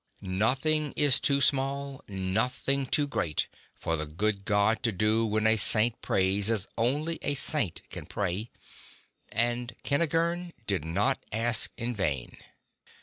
Nothing is too small, nothing too great, for the good God to do when a saint prays as only a saint can pray, and Kentigern did not ask in vain.